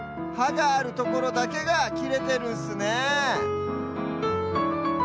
があるところだけがきれてるんすねえ